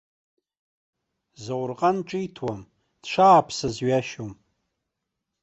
Заурҟан ҿиҭуам, дшааԥсаз ҩашьом.